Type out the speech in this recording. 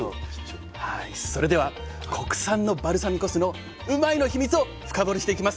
それでは国産のバルサミコ酢のうまいッ！の秘密を深掘りしていきます。